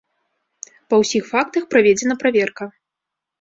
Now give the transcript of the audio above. Па ўсіх фактах праведзена праверка.